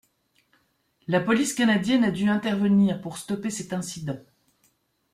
La police canadienne a dû intervenir pour stopper cet incident.